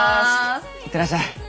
行ってらっしゃい。